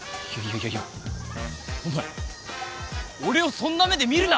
いやいやお前俺をそんな目で見るな！